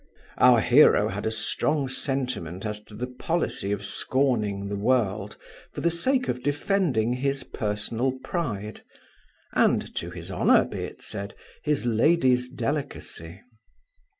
Our hero had a strong sentiment as to the policy of scorning the world for the sake of defending his personal pride and (to his honour, be it said) his lady's delicacy.